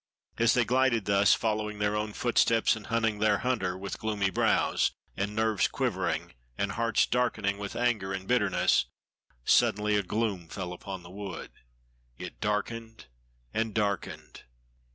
As they glided thus, following their own footsteps, and hunting their hunter with gloomy brows, and nerves quivering, and hearts darkening with anger and bitterness, sudden a gloom fell upon the wood it darkened and darkened.